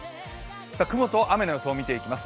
雲と雨の予想を見ていきます。